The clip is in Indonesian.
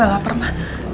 aku tidak lapar ma